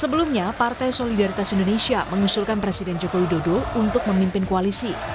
sebelumnya partai solidaritas indonesia mengusulkan presiden joko widodo untuk memimpin koalisi